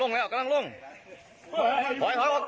ลงแล้วเรากำลังลง